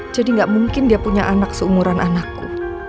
jadi gak mungkin dia punya anak seumuran anakku